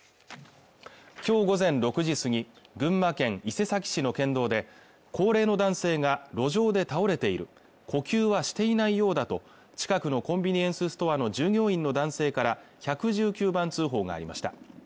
今日午前６時過ぎ群馬県伊勢崎市の県道で高齢の男性が路上で倒れている呼吸はしていないようだと近くのコンビニエンスストアの従業員の男性から１１９番通報がありました